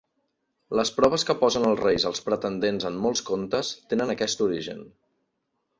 Les proves que posen els reis als pretendents en molts contes tenen aquest origen.